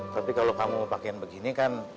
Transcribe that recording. tapi kalau kamu pakaian begini kan